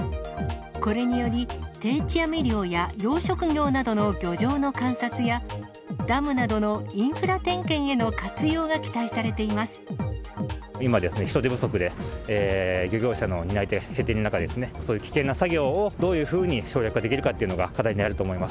これにより、定置網漁や養殖業などの漁場の観察や、ダムなどのインフラ点検へ今、人手不足で、漁業者の担い手が減っている中ですね、そういう危険な作業をどういうふうに省力化できるかというのが課題にあると思います。